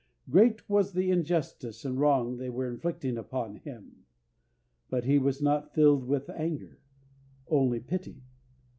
Great was the injustice and wrong they were inflicting upon Him, but He was not filled with anger, only pity.